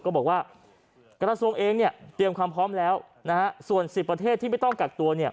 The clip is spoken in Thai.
ก็บอกว่ากระทะสวงเองเตรียมความพร้อมแล้วส่วน๑๐ประเทศที่ไม่ต้องกักตัว